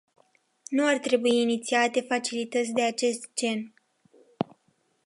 Nu ar trebui inițiate facilități de acest gen.